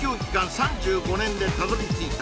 ３５年でたどり着いた